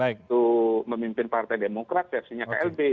waktu memimpin partai demokrat versinya klb